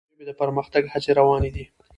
افغانستان کې د ژبې د پرمختګ هڅې روانې دي.